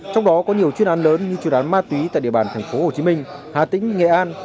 trong đó có nhiều chuyên án lớn như chuyên án ma túy tại địa bàn tp hcm hà tĩnh nghệ an